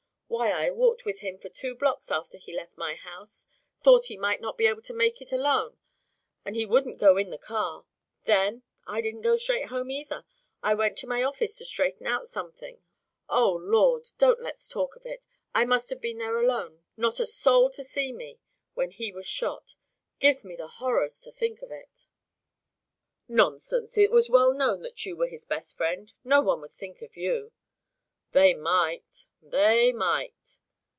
Why, I walked with him for two blocks after he left my house thought he might not be able to make it alone, and he wouldn't go in the car; then, I didn't go straight home, either. I went to my office to straighten out something Oh, Lord! don't let's talk of it; I must have been there alone, not a soul to see me, when he was shot. It gives me the horrors to think of it " "Nonsense! It was well known that you were his best friend. No one would think of you." "They might! They might!"